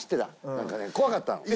なんかね怖かったの。